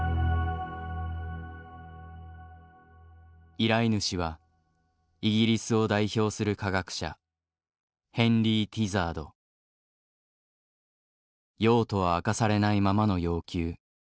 依頼主はイギリスを代表する用途は明かされないままの要求。